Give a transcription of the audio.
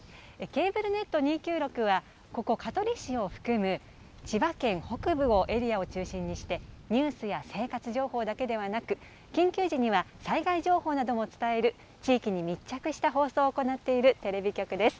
ケーブルネット２９６は香取市を含む千葉県北部をエリアを中心にしてニュースや生活情報だけでなく緊急時には災害情報などを伝える地域に密着した放送を行っているテレビ局です。